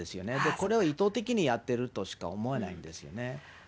これを意図的にやってるとしか思えないんですよね。